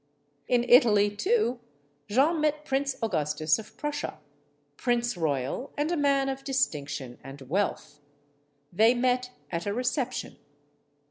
In Italy, too, Jeanne met Prince Augustus of Prussia, prince royal and man of distinction and wealth. They met at a reception.